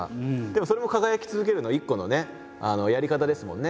でもそれも「輝き続ける」の一個のねやり方ですもんね。